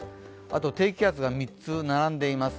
あと低気圧が３つ並んでいます。